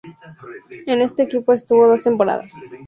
En este equipo estuvo dos temporadas.